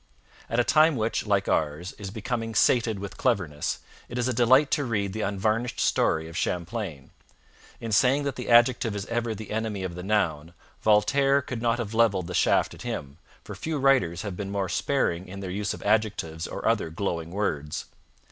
At a time which, like ours, is becoming sated with cleverness, it is a delight to read the unvarnished story of Champlain. In saying that the adjective is ever the enemy of the noun, Voltaire could not have levelled the shaft at him, for few writers have been more sparing in their use of adjectives or other glowing words.